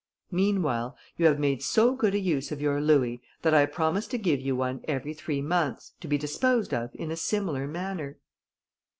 Meanwhile, you have made so good a use of your louis, that I promise to give you one every three months, to be disposed of in a similar manner."